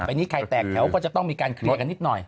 นี้ใครแตกแถวก็จะต้องมีการเคลียร์กันนิดหน่อย